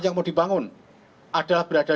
yang mau dibangun adalah berada